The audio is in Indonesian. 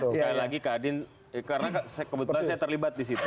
sekali lagi kak din karena kebetulan saya terlibat disitu